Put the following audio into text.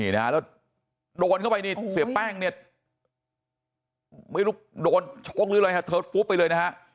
โดนเข้าไปนี่เสพแป้งเนี่ยโดนโชกเลยเธอฟุ๊บไปเลยนะฮะ